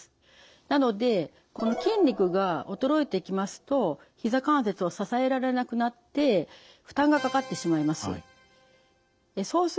なのでこの筋肉が衰えてきますとひざ関節を支えられなくなって負担がかかってしまいます。